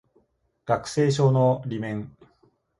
学生証の裏面